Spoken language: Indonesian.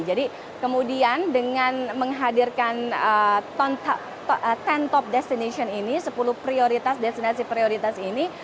jadi kemudian dengan menghadirkan sepuluh top destination ini sepuluh prioritas destinasi prioritas ini